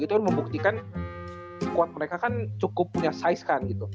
itu membuktikan squad mereka kan cukup punya size kan